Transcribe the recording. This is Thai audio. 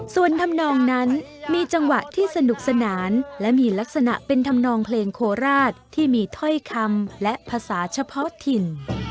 ส่วนทำนองนั้นมีจังหวะที่สนุกสนานและมีลักษณะเป็นธรรมนองเพลงโคราชที่มีถ้อยคำและภาษาเฉพาะถิ่น